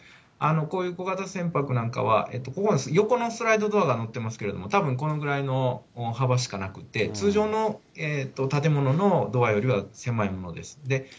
こういう小型船舶なんかは、横のスライドドアが載ってますけど、たぶんこのぐらいの幅しかなくって、通常の建物のドアよりは狭いものです。